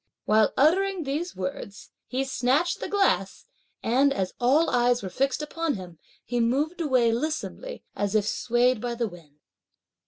While uttering these words, he snatched the glass, and, as all eyes were fixed upon him, he moved away lissomely, as if swayed by the wind.